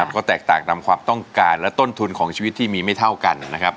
ก็แตกต่างตามความต้องการและต้นทุนของชีวิตที่มีไม่เท่ากัน